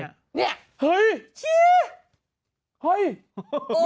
เนี่ยโอ้ย